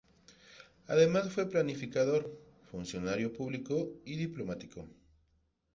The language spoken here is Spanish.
Además fue planificador, funcionario público y diplomático.